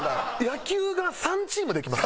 野球が３チームできます。